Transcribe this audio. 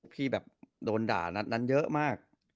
พี่แบบโดนด่านัดนั้นเยอะมาก